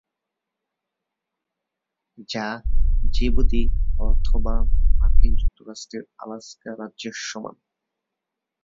যা জিবুতি অথবা মার্কিন যুক্তরাষ্ট্রের আলাস্কা রাজ্যের সমান।